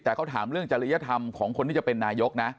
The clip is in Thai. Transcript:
แต่เขาถามเรื่องจริยธรรมของคนที่จะเป็นนายกนะ